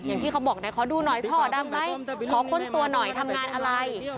อย่างที่เขาบอกขอดูหน่อยท่อดำไหมขอค้นตัวหน่อยทำงานอะไร